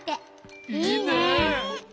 いいね！